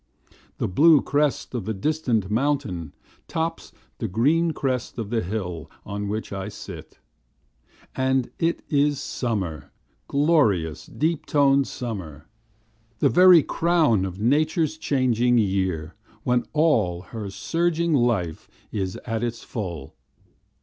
The blue crest of the distant mountain, tops The green crest of the hill on which I sit; And it is summer, glorious, deep toned summer, The very crown of nature's changing year When all her surging life is at its full.